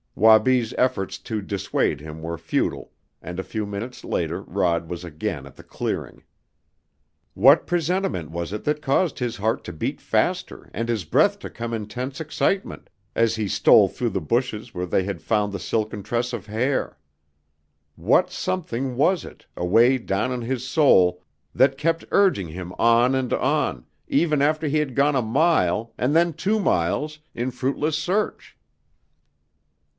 Wabi's efforts to dissuade him were futile, and a few minutes later Rod was again at the clearing. What presentiment was it that caused his heart to beat faster and his breath to come in tense excitement as he stole through the bushes where they had found the silken tress of hair? What something was it, away down in his soul, that kept urging him on and on, even after he had gone a mile, and then two miles, in fruitless search?